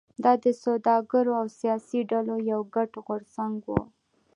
دا د سوداګرو او سیاسي ډلو یو ګډ غورځنګ و.